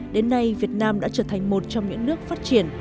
đến nay việt nam đã trở thành một trong những nước phát triển